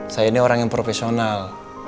saya ini orang yang profesional